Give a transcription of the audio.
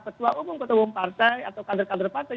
ketua umum ketua umum partai atau kader kader partai